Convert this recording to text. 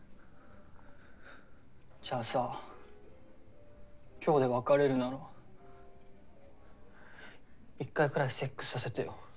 じゃあさ今日で別れるなら１回くらいセックスさせてよ。